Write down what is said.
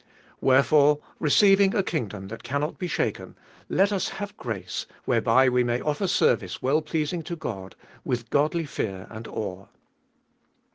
Wherefore, receiving a kingdom that cannot be shaken, let us have grace, whereby we may offer service well pleasing to God, with godly fear and awe.